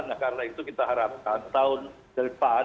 nah karena itu kita harapkan tahun depan